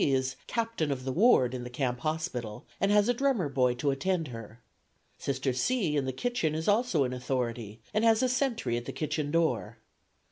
is 'Captain of the Ward' in the camp hospital, and has a drummer boy to attend her. Sister C. in the kitchen is also in authority, and has a sentry at the kitchen door.